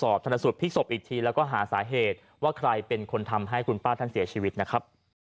ชนสูตรพลิกศพอีกทีแล้วก็หาสาเหตุว่าใครเป็นคนทำให้คุณป้าท่านเสียชีวิตนะครับ